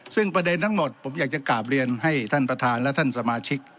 ซึ่งประเด็นทั้งหมดผมอยากจะกราบเรียนให้ท่านประธานและท่านสมาชิก